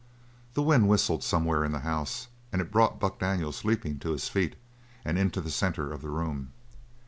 The wind whistled somewhere in the house and it brought Buck Daniels leaping to his feet and into the centre of the room.